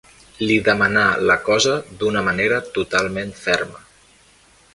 Li demanà la cosa d'una manera totalment ferma.